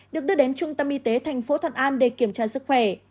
được đưa đến trung tâm y tế tp thuận an để kiểm tra sức khỏe